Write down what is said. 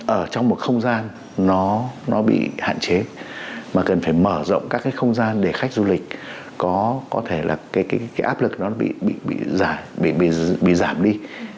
ở trong một không gian nó bị hạn chế mà cần phải mở rộng các cái không gian để khách du lịch có thể là cái áp lực nó bị giảm bị giảm đi